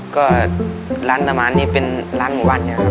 ก็ร้านตามมารนี่เป็นร้านหมู่บอ่อนแฮน